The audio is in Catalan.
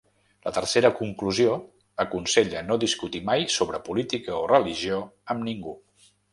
La tercera conclusió aconsella no discutir mai sobre política o religió amb ningú.